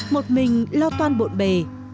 một mình lo toan bộn bề